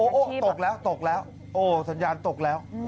โอ้โหตกแล้วตกแล้วโอ้สัญญาณตกแล้ว